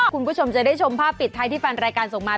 คุณผู้ชมจะได้ชมภาพปิดท้ายที่แฟนรายการส่งมา